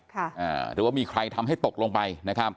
หรือว่ามีใครทำให้ตกลงไปนะครับ